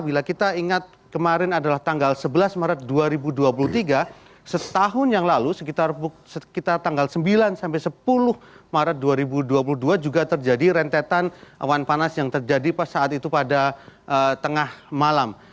bila kita ingat kemarin adalah tanggal sebelas maret dua ribu dua puluh tiga setahun yang lalu sekitar tanggal sembilan sampai sepuluh maret dua ribu dua puluh dua juga terjadi rentetan awan panas yang terjadi saat itu pada tengah malam